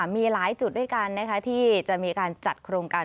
มีหลายจุดด้วยกันที่จะมีการจัดโครงการ